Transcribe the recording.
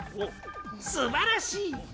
すばらしい！